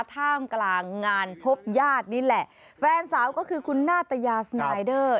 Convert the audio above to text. ท่ามกลางงานพบญาตินี่แหละแฟนสาวก็คือคุณนาตยาสนายเดอร์